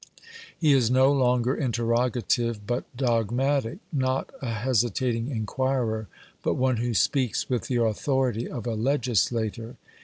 He is no longer interrogative but dogmatic; not 'a hesitating enquirer,' but one who speaks with the authority of a legislator.